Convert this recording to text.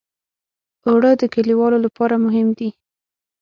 اوړه د کليوالو لپاره مهم دي